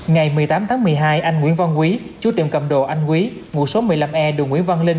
ngày một mươi tám tháng một mươi hai anh nguyễn văn quý chú tiệm cầm đồ anh quý ngụ số một mươi năm e đường nguyễn văn linh